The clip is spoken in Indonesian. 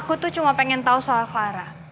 aku tuh cuma pengen tau soal clara